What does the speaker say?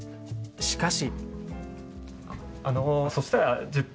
しかし。